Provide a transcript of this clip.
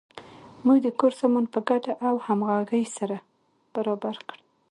موږ د کور سامان په ګډه او همغږۍ سره برابر کړ.